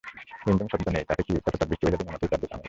রিমঝিম শব্দ নেই তাতে কি, টিপটিপ বৃষ্টিভেজা দিনের মতোই কাব্যিক আমেজ।